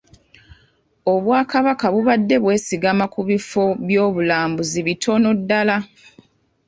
Obwakabaka bubadde bwesigama ku bifo by'obulambuzi bitono ddala.